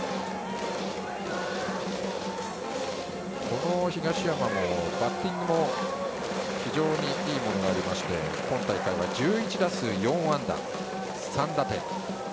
この東山もバッティングも非常にいいものがありまして今大会は１１打数４安打３打点。